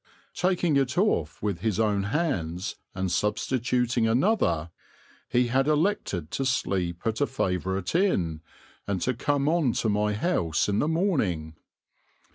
Taking it off with his own hands and substituting another, he had elected to sleep at a favourite inn and to come on to my house in the morning.